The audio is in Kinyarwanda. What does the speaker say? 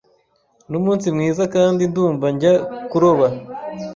Numunsi mwiza kandi ndumva njya kuroba.